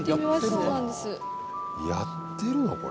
やってるの？